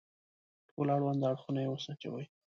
ټول اړوند اړخونه يې وسنجوي.